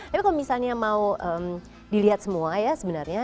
tapi kalau misalnya mau dilihat semua ya sebenarnya